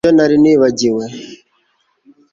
ni byo, nari nibagiwe